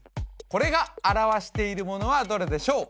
これが表しているものはどれでしょう？